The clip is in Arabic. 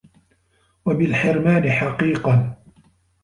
وَبِالْحِرْمَانِ حَقِيقًا